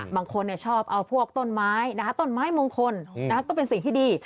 บางคนชอบเอาพวกต้นไม้ต้นไม้มงคลก็เป็นสิ่งที่ดี